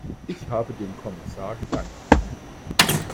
Ich habe dem Kommissar gedankt.